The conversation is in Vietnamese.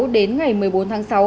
đến ngày một mươi bốn tháng sáu